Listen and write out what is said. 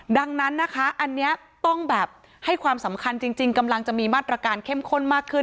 ดังนั้นนะคะอันนี้ต้องแบบให้ความสำคัญจริงกำลังจะมีมาตรการเข้มข้นมากขึ้น